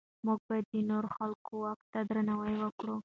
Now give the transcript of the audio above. موږ باید د نورو خلکو واک ته درناوی وکړو.